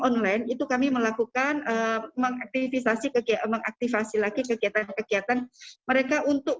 online itu kami melakukan mengaktifisasi mengaktifasi lagi kegiatan kegiatan mereka untuk